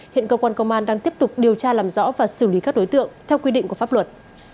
hiện cơ quan công an đang tiếp tục điều tra làm rõ và xử lý các đối tượng theo quy định của pháp luật